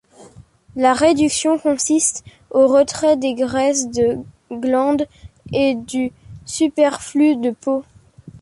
La réduction consiste au retrait de graisse, de glande et du superflu de peau.